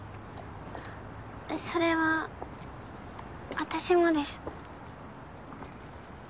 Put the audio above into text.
それは私もです